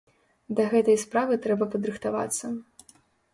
Да гэтай справы трэба падрыхтавацца.